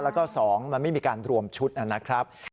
แล้วก็สองมันไม่มีการรวมชุดอันนั้นนะครับ